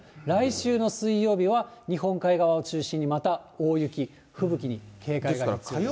来週の水曜日は日本海側を中心にまた大雪、吹雪に警戒が必要です。